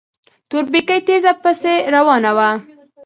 تورپيکۍ تېزه پسې روانه وه.